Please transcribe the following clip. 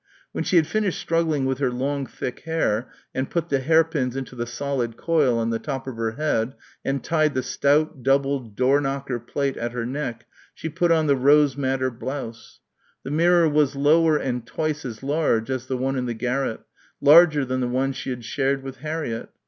When she had finished struggling with her long thick hair and put the hairpins into the solid coil on the top of her head and tied the stout doubled door knocker plait at her neck, she put on the rose madder blouse. The mirror was lower and twice as large as the one in the garret, larger than the one she had shared with Harriett.